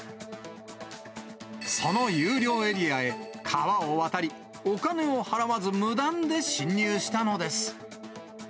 その有料エリアへ、川を渡り、お金を払わず、無断で侵入したのです。